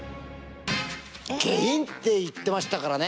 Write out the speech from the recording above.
下品って言ってましたからね。